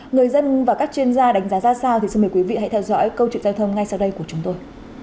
người dân và các chuyên gia đánh giá ra sao thì xin mời quý vị hãy theo dõi câu chuyện giao thông ngay sau đây của chúng tôi